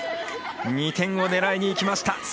２点を狙いにいきました。